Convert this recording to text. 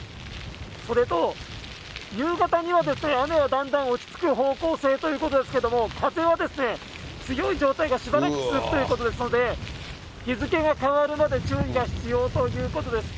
それと夕方には、雨はだんだん落ち着く方向性ということですけれども、風は強い状態がしばらく続くということですので、日付が変わるまで注意が必要ということです。